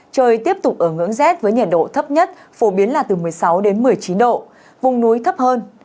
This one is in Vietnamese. trời tiếp tục ở ngưỡng rét với nhiệt độ thấp nhất phổ biến là từ một mươi sáu một mươi chín độ vùng núi thấp hơn